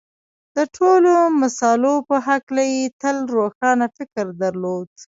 د ټولو مسألو په هکله یې تل روښانه فکر درلود